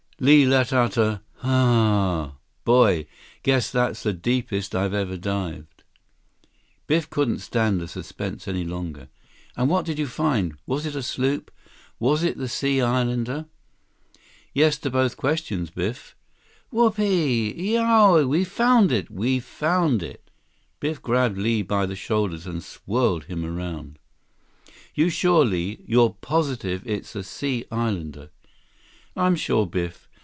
Li let out a "H a a a a a. Boy! Guess that's the deepest I've ever dived." Biff couldn't stand the suspense any longer. "And what did you find? Was it a sloop? Was it the Sea Islander?" "Yes to both questions, Biff." "Whoopee! Eeeowie! We've found it! We've found it!" 144 Biff grabbed Li by the shoulders and whirled him around. "You sure, Li? You're positive it's the Sea Islander?" "I'm sure, Biff.